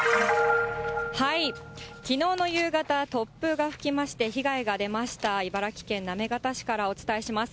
きのうの夕方、突風が吹きまして、被害が出ました、茨城県行方市からお伝えします。